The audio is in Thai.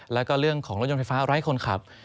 แล้วก็เรื่องของรถยนต์ไฟฟ้าไร้คนขับ